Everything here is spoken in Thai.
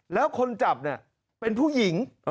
แล้วคนจับเป็นผู้หญิง